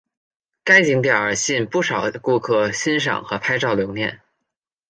该景点吸引不少顾客欣赏和拍照留念。